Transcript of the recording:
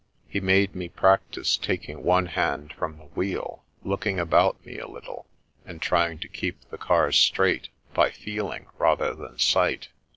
He made me practice taking one hand from the wheel, looking about me a little, and trying to keep the car straight by feeling rather than sight.